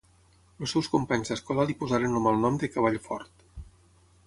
Els seus companys d'escola li posaren el malnom de "Cavall fort".